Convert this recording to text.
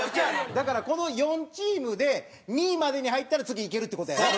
だからこの４チームで２位までに入ったら次いけるって事やろ？